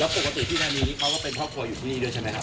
แล้วปกติพี่ทานีเขาก็เป็นพ่อคอยอยู่ที่นี่ด้วยใช่ไหมครับ